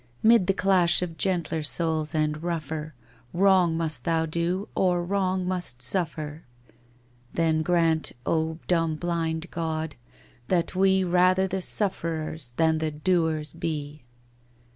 ' Mid the clash of gentler souls and rougher Wrong must thou do, or wrong must suffer.' ' Then grant, dumb blind god, that we Rather the sufferers than the doers be!